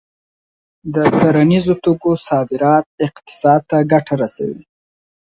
د کرنیزو توکو صادرات اقتصاد ته ګټه رسوي.